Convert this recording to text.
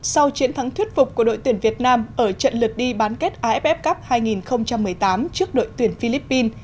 sau chiến thắng thuyết phục của đội tuyển việt nam ở trận lượt đi bán kết aff cup hai nghìn một mươi tám trước đội tuyển philippines